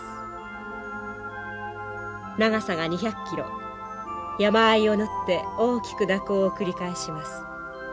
長さが２００キロ山あいを縫って大きく蛇行を繰り返します。